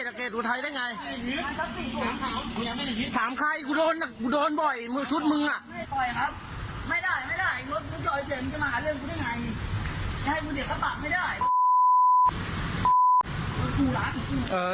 ใช่ขุนเงินกระปะไม่ได้